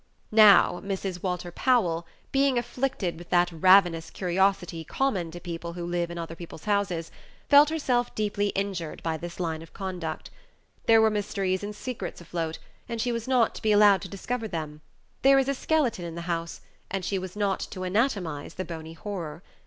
Now, Mrs. Walter Powell, being afflicted with that ravenous curiosity common to people who live in other people's houses, felt herself deeply injured by this line of conduct. There were mysteries and secrets afloat, and she was not to be allowed to discover them; there was a skeleton in the house, and she was not to anatomize the bony horror.